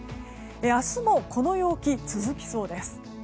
明日も、この陽気続きそうです。